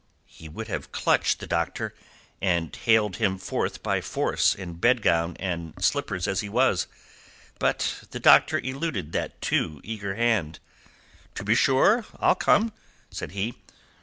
He would have clutched the doctor, and haled him forth by force in bedgown and slippers as he was. But the doctor eluded that too eager hand. "To be sure, I'll come," said he.